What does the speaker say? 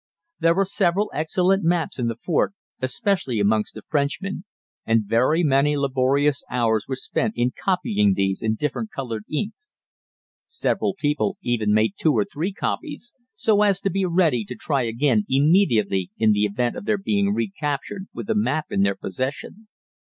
There were several excellent maps in the fort, especially amongst the Frenchmen, and very many laborious hours were spent in copying these in different colored inks. Several people even made two or three copies, so as to be ready to try again immediately in the event of their being recaptured with a map in their possession.